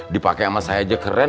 dipakai sama saya aja keren